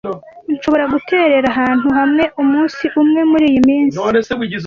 Nshobora guterera ahantu hawe umunsi umwe muriyi minsi?